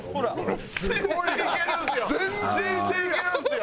全然いけるんですよ！